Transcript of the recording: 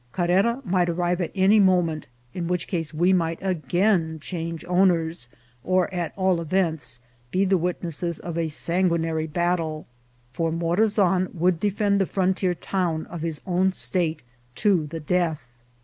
Carrera might arrive at any moment, in which case we might again change owners, or, at all events, be the witnesses of a sanguinary battle, for Morazan would defend the frontier town of his own state to the death.